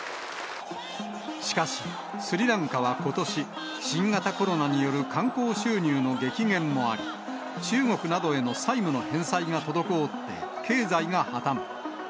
しかし、スリランカはことし、新型コロナによる観光収入の激減もあり、中国などへの債務の返済が滞って、経済が破綻。